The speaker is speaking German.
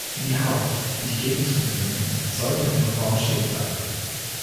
Die Haupt- wie die Gegentribüne sollen in ihrer Form bestehen bleiben.